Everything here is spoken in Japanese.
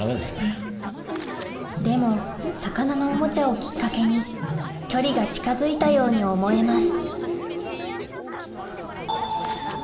でも魚のおもちゃをきっかけに距離が近づいたように思えます